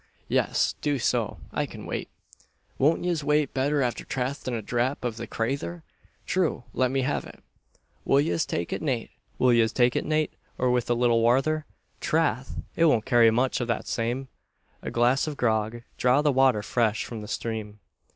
"Yes, do so. I can wait." "Won't yez wait betther afther tastin' a dhrap av the crayther?" "True let me have it." "Will yez take it nate, or with a little wather? Trath! it won't carry much av that same." "A glass of grog draw the water fresh from the stream."